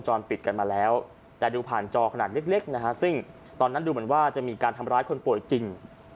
ปิดกันมาแล้วแต่ดูผ่านจอขนาดเล็กนะฮะซึ่งตอนนั้นดูเหมือนว่าจะมีการทำร้ายคนป่วยจริง